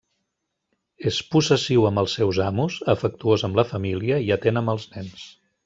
És possessiu amb els seus amos, afectuós amb la família i atent amb els nens.